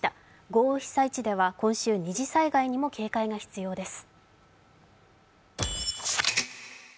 豪雨被災地では、今週二次災害にも警戒が必要です。